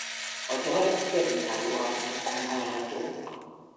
A dal debütáló albumukon hallható.